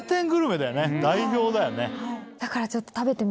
だからちょっと。